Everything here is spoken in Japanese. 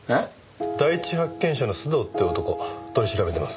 第一発見者の須藤って男取り調べてます。